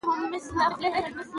افغانستان له پابندی غرونه ډک دی.